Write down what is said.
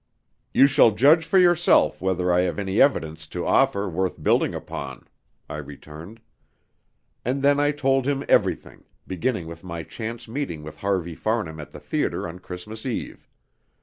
"You shall judge for yourself whether I have any evidence to offer worth building upon," I returned. And then I told him everything, beginning with my chance meeting with Harvey Farnham at the theatre on Christmas Eve.